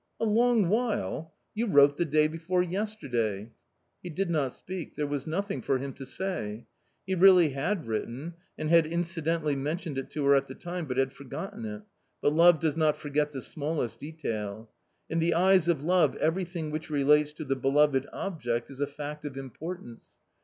" A long while ! you wrote the day before yesterday." He did not speak ; there was nothing for him to say. He really had written and had incidentally mentioned it to her at the time, but had forgotten it ; but love does not forget the smallest detail. In the eyes of love everything which relates to the beloved object is a fact of importance.